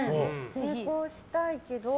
成功したいけど。